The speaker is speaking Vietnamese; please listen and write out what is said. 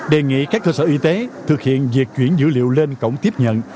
đề nghị các cơ sở y tế thực hiện việc chuyển dữ liệu lên cổng tiếp nhận